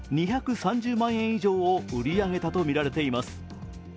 ２３０万円以上を売り上げたとみられています。